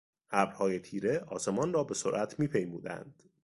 ابرهای تیره آسمان را به سرعت میپیمودند.